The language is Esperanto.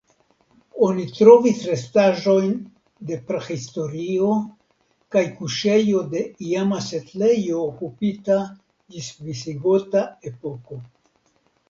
Oni trovis restaĵojn de prahistorio kaj kuŝejo de iama setlejo okupita ĝis visigota epoko.